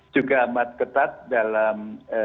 juga amat ketat dalam